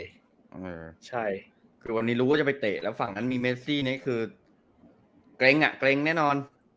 เออใช่คือวันนี้รู้ว่าจะไปเตะแล้วฝั่งนั้นมีเมซี่นี้คือเกร็งอ่ะเกร็งแน่นอน